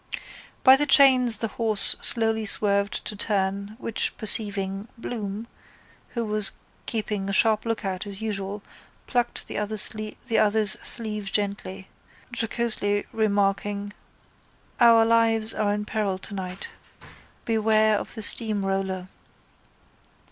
By the chains the horse slowly swerved to turn, which perceiving, Bloom, who was keeping a sharp lookout as usual, plucked the other's sleeve gently, jocosely remarking: —Our lives are in peril tonight. Beware of the steamroller.